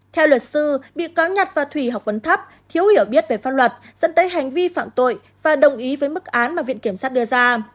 theo luật sư bị cáo nhặt và thủy học vấn thấp thiếu hiểu biết về pháp luật dẫn tới hành vi phạm tội và đồng ý với mức án mà viện kiểm sát đưa ra